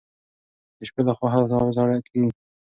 د شپې لخوا هوا سړه کیږي.